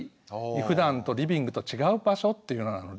ふだんとリビングと違う場所っていうようなので。